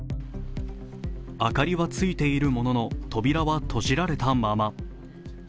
明かりはついているものの扉は閉じられたまま。